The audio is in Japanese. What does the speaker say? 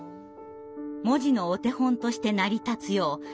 文字のお手本として成り立つよう「はらい」を調整。